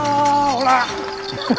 ほら。